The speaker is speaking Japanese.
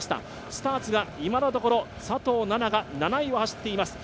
スターツが今のところ佐藤奈々が７位を走っています。